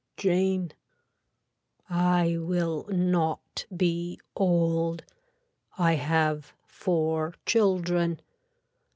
(Jane.) I will not be old. I have four children.